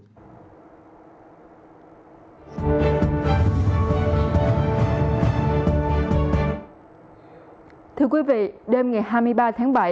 thưa quý vị đêm ngày hai mươi ba tháng ba nguyễn hữu thuận đã được cấp phát nhà miễn phí của tổ chức chính phủ quốc gia việt nam lâm thời